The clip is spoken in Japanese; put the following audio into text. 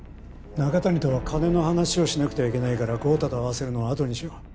中谷とは金の話をしなくてはいけないから豪太と会わせるのはあとにしよう。